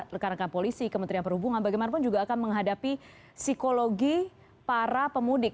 rekan rekan polisi kementerian perhubungan bagaimanapun juga akan menghadapi psikologi para pemudik